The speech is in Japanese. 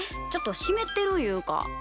ちょっとしめってるいうか。